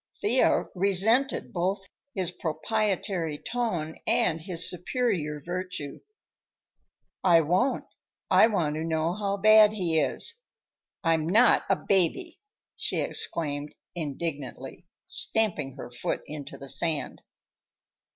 Thea resented both his proprietary tone and his superior virtue. "I won't. I want to know how bad he is. I'm not a baby!" she exclaimed indignantly, stamping her foot into the sand.